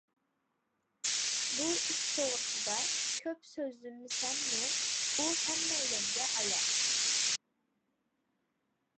بۇ ئىش توغرىسىدا كۆپ سۆزلىمىسەممۇ، ئۇ ھەممەيلەنگە ئايان.